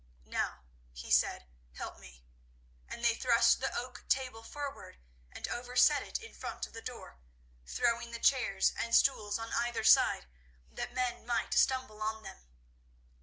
"Now," he said, "help me." And they thrust the oak table forward, and overset it in front of the door, throwing the chairs and stools on either side, that men might stumble on them.